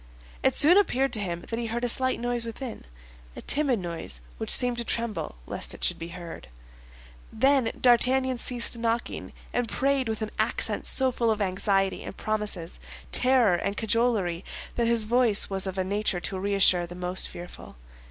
It soon appeared to him that he heard a slight noise within—a timid noise which seemed to tremble lest it should be heard. Then D'Artagnan ceased knocking, and prayed with an accent so full of anxiety and promises, terror and cajolery, that his voice was of a nature to reassure the most fearful.